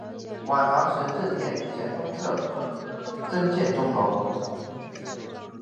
晚唐时在正殿前东侧增建钟楼。